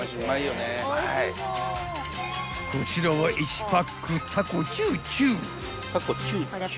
［こちらは１パックタコチューチュー］